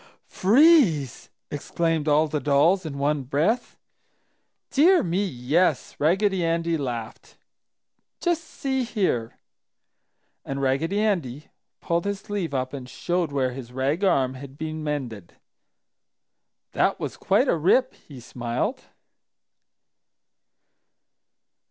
"Freeze!" exclaimed all the dolls in one breath. "Dear me, yes!" Raggedy Andy laughed. "Just see here!" And Raggedy Andy pulled his sleeve up and showed where his rag arm had been mended. "That was quite a rip!" he smiled.